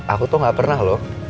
aku tuh gak pernah loh